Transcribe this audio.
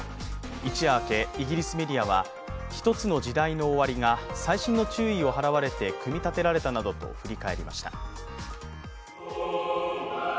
一夜明け、イギリスメディアは一つの時代の終わりが細心の注意を払われて組み立てられていたなどと振り返りました。